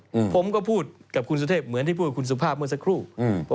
อืมผมก็พูดกับคุณสุเทพเหมือนที่พูดกับคุณสุภาพเมื่อสักครู่อืม